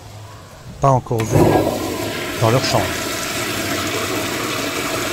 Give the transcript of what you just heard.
Pas encore vus !… dans leurs chambres !…